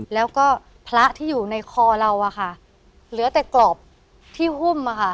แล้วก็พระที่อยู่ในคอเราอะค่ะเหลือแต่กรอบที่หุ้มอะค่ะ